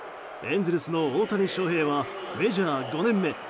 エンゼルスの大谷翔平はメジャー５年目